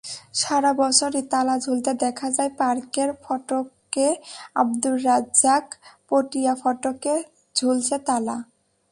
সারা বছরই তালা ঝুলতে দেখা যায় পার্কের ফটকেআবদুর রাজ্জাক, পটিয়াফটকে ঝুলছে তালা।